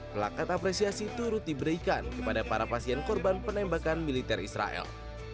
pelakat apresiasi turut diberikan kepada para pasien korban penembakan militer israel